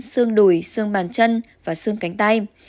xương đùi xương bàn chân và xương cánh tay